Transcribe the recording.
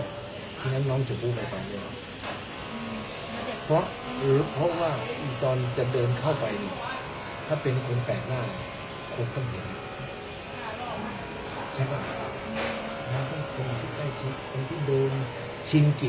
เจอหนึ่งใช่ปะใครคนที่โดนชิงกินโดนแท้เลยโดนปกติผมก็โดนปกติ